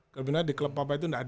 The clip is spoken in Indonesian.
kebenarannya di klub papa itu